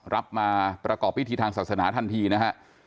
รับมาประกอบพิธีทางศาสนาทันทีนะฮะ